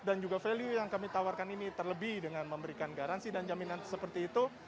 dan juga value yang kami tawarkan ini terlebih dengan memberikan garansi dan jaminan seperti itu